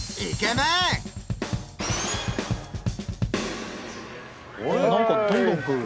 なんかどんどん来る。